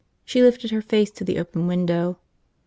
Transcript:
She lifted her face to the open window.